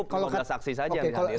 kalau sudah saksi saja